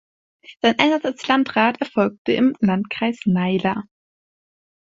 Sein Einsatz als Landrat erfolgte im Landkreis Naila.